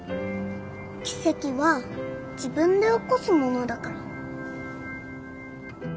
奇跡は自分で起こすものだから。